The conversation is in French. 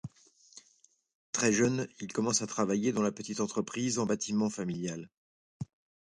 Très jeune, il commence à travailler dans la petite entreprise en bâtiment familiale.